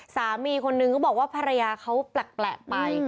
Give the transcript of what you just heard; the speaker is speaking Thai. สามีคนนึงเขาบอกว่าภรรยาเขาแปลกไป